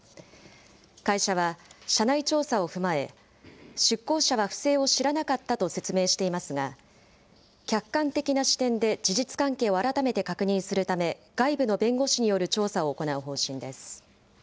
会社は社内調査を踏まえ、出向者は不正を知らなかったと説明していますが、客観的な視点で事実関係を改めて確認するため、外部の弁護士による調査を行う方針です。